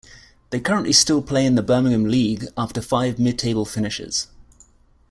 They currently still play in the Birmingham League after five mid-table finishes.